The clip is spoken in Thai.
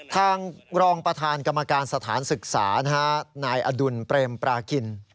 ทางรองประธานกรรมการสถานศึกษานายอดุลเปรมปราคิน